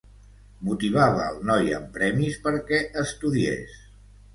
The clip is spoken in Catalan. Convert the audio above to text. Motivava el noi amb premis perquè estudiés.